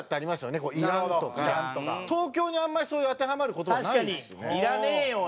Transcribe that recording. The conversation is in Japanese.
東京にあんまりそういう当てはまる言葉ないんですよね。